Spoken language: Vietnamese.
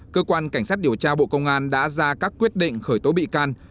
cơ quan cảnh sát điều tra bộ công an đã ra các quyết định khởi tố bị can